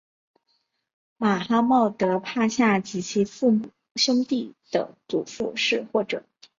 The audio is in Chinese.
马哈茂德帕夏及其兄弟的祖父是或者。